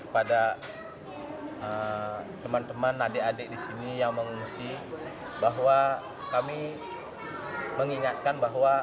pada teman teman adik adik di sini yang mengungsi bahwa kami mengingatkan bahwa